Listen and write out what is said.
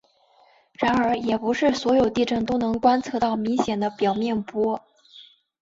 然而也不是所有地震都能观测到明显的表面波。